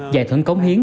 giải thưởng cống hiến